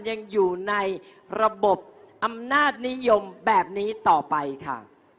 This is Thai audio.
ยังอยู่ในระบบอำนาจนิยมแบบนี้ต่อไปค่ะ